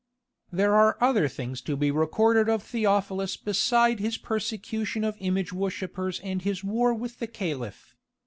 There are other things to be recorded of Theophilus beside his persecution of image worshippers and his war with the Caliph.